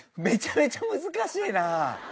めちゃめちゃ難しいな。